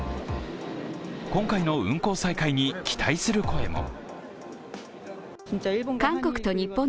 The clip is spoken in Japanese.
今回の運航再開に期待する声も。